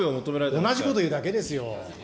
同じこと言うだけですよ。